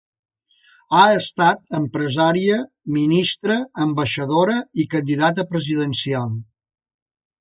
Ha estat empresària, ministra, ambaixadora i candidata presidencial.